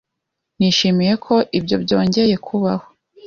Nishimiye ko ibyo byongeye kubaho.